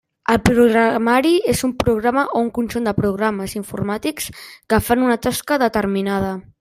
El programari és un programa o un conjunt de programes informàtics que fan una tasca determinada.